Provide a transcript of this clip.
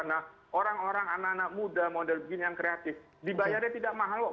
nah orang orang anak anak muda model begini yang kreatif dibayarnya tidak mahal kok